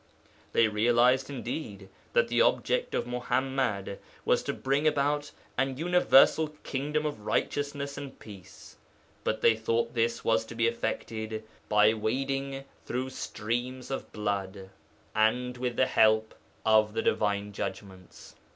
They realized, indeed, that the object of Muḥammad was to bring about an universal kingdom of righteousness and peace, but they thought this was to be effected by wading through streams of blood, and with the help of the divine judgments.